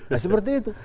nah seperti itu